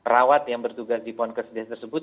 rawat yang bertugas di ponkes desa tersebut